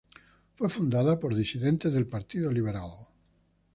Fue fundado por disidentes del Partido Liberal.